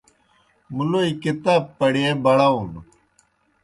مُلوئے کِتاب پڑیے بڑاؤن۔